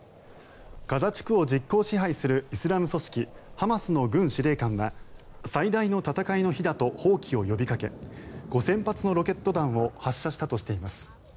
ガザ地区を実効支配するイスラム組織ハマスの軍司令官は最大の戦いの日だと蜂起を呼びかけ５０００発のロケット弾を発射したとしています。